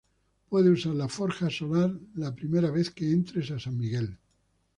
Puedes usar la forja solar la primera vez que entres a San Miguel.